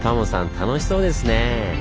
楽しそうですね。